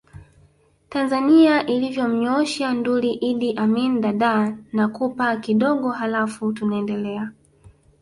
Tanzania ilivyomnyoosha Nduli Iddi Amin Dadaa nakupa kidogo haLafu tunaendelea